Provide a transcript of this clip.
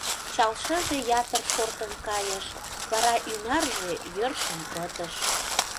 Чал шыже ятыр шортын кийыш, Вара ӱнарже йӧршын пытыш.